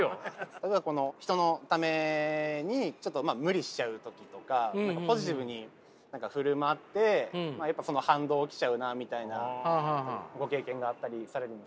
例えば人のためにちょっとまあ無理しちゃう時とかポジティブに何か振る舞ってその反動来ちゃうなみたいなご経験があったりされるんですか？